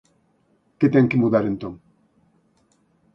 Que ten que mudar entón?